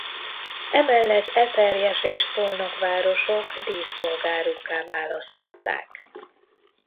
Emellett Eperjes és Szolnok városok díszpolgárukká választották.